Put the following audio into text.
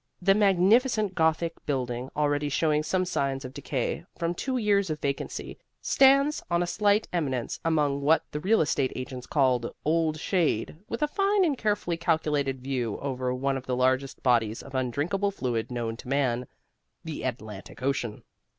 This magnificent Gothic building, already showing some signs of decay from two years of vacancy, stands on a slight eminence among what the real estate agents call "old shade," with a fine and carefully calculated view over one of the largest bodies of undrinkable fluid known to man, the Atlantic Ocean.